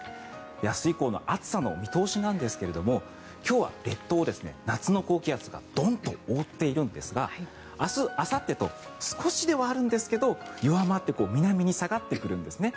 明日以降の暑さの見通しですが今日は列島を夏の高気圧がドンと覆っているんですが明日あさってと少しではあるんですが弱まって南に下がってくるんですね。